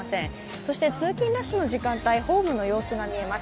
そして通勤ラッシュの時間帯、ホームの様子が見えます。